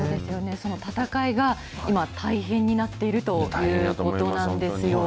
その闘いが今、大変になっているということなんですよ。